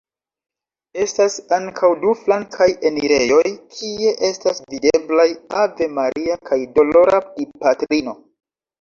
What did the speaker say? Estas ankaŭ du flankaj enirejoj, kie estas videblaj Ave Maria kaj Dolora Dipatrino.